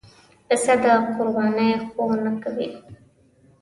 پسه د قربانۍ ښوونه کوي.